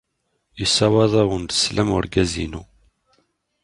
Yessawaḍ-awen-d sslam wergaz-inu.